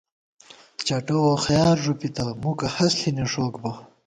چٹہ ووخَیار ݫُپِتہ ، مُکہ ہست ݪی نِݭوک بہ